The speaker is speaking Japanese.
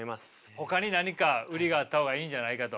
ほかに何か売りがあった方がいいんじゃないかと。